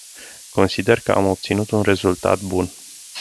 Consider că am obținut un rezultat bun.